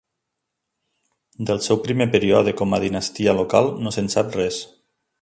Del seu primer període com a dinastia local no se'n sap res.